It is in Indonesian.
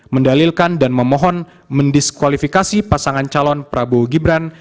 mendalilkan dan memohon mendiskualifikasi pasangan calon prabowo gibran